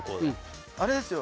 あれですよ